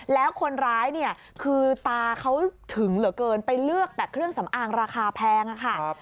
แล้วคนร้ายเนี่ยคือตาเขาถึงเหลือเกินไปเลือกแต่เครื่องสำอางราคาแพงค่ะ